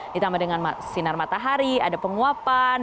ditambah dengan sinar matahari ada penguapan